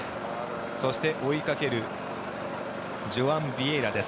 そして追いかけるジョアン・ビエイラです。